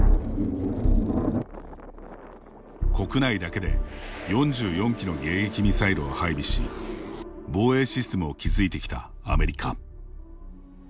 国内だけで４４基の迎撃ミサイルを配備し防衛システムを築いてきたアメリカ。